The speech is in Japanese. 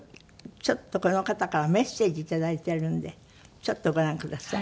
ちょっとこの方からメッセージ頂いているんでちょっとご覧ください。